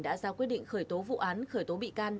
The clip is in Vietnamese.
đã ra quyết định khởi tố vụ án khởi tố bị can